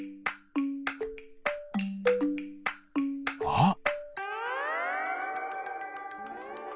あっ！